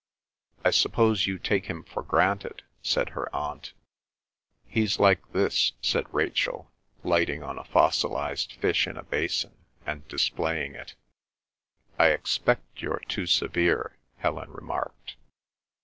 "I suppose you take him for granted?" said her aunt. "He's like this," said Rachel, lighting on a fossilised fish in a basin, and displaying it. "I expect you're too severe," Helen remarked.